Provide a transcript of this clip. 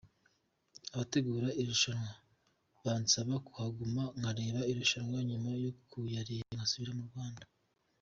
abategura irushanwa bansaba kuhaguma nkareba irushanwa nyuma yo kuyareba nkasubira mu Rwanda.